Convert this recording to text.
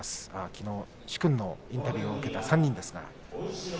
きのう、殊勲のインタビューを受けた３人。